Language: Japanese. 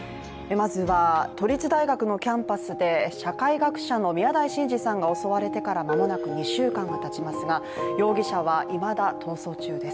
まずは都立大学のキャンパスで社会学者の宮台真司さんが襲われてから間もなく２週間がたちますが容疑者はいまだ逃走中です。